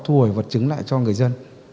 và làm rõ thu hồi vật chứng lại cho người dân